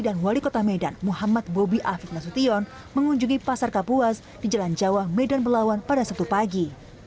dan wali kota medan muhammad bobi afid nasution mengunjungi pasar kapuas di jalan jawa medan belawan pada sabtu pagi